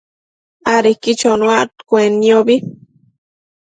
adequi chonuaccuenniobi